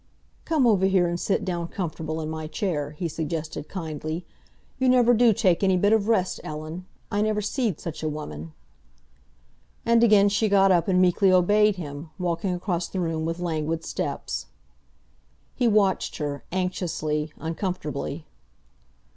"Come over here and sit down comfortable in my chair," he suggested kindly. "You never do take any bit of rest, Ellen. I never see'd such a woman!" And again she got up and meekly obeyed him, walking across the room with languid steps. He watched her, anxiously, uncomfortably.